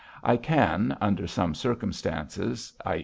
I can, under such circumstances (i.